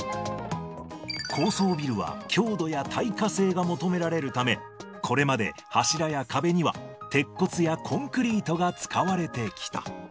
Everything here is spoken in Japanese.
高層ビルは、強度や耐火性が求められるため、これまで柱や壁には鉄骨やコンクリートが使われてきた。